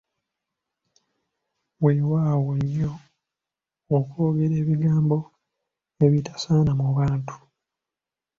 Weewaawo nnyo okwogera ebigambo ebitasaana mu bantu.